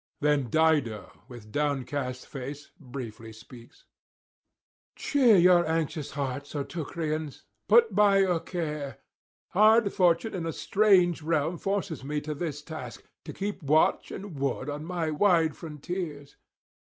... Then Dido, with downcast face, briefly speaks: 'Cheer your anxious hearts, O Teucrians; put by your care. Hard fortune in a strange realm forces me to this task, to keep watch and ward on my wide frontiers.